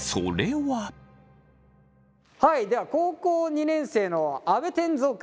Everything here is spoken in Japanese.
はいでは高校２年生の阿部天蔵君。